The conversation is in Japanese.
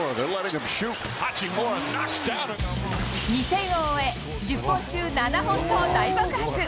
２戦を終え、１０本中７本と大爆発。